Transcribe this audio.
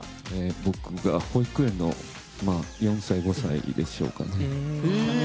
僕が保育園の４歳、５歳でしょうか。